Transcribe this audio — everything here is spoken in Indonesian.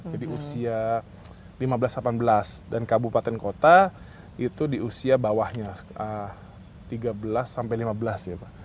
jadi usia lima belas delapan belas dan kabupaten kota itu di usia bawahnya tiga belas lima belas ya pak